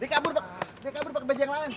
dia kabur pakai baju yang lain